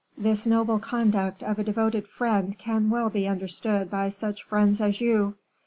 This noble conduct of a devoted friend can well be understood by such friends as you.